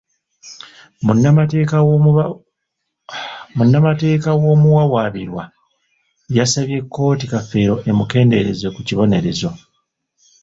Munnamateeka w'omuwawaabirwa, yasabye kkooti Kafeero emukendeereze ku kibonerezo.